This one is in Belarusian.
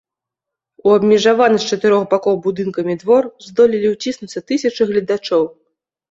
У абмежаваны з чатырох бакоў будынкамі двор здолелі ўціснуцца тысячы гледачоў.